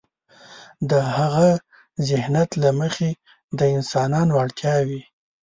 د هاغه ذهنیت له مخې د انسانانو اړتیاوې.